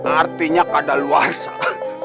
artinya pada luar saha